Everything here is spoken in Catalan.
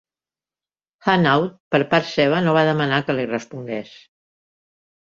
Hannaud, per part seva, no va demanar que li respongués.